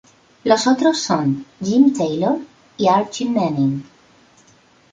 Los otros son Jim Taylor y Archie Manning.